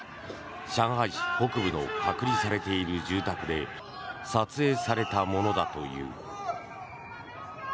上海市北部の隔離されている住宅で撮影されたものだという。